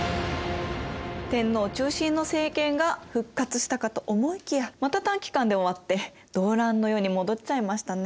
天皇中心の政権が復活したかと思いきやまた短時間で終わって動乱の世に戻っちゃいましたね。